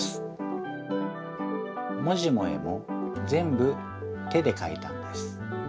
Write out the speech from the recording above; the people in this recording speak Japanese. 文字も絵もぜんぶ手でかいたんです。